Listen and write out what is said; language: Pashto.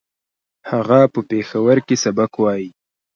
هغه په پېښور کې سبق وايي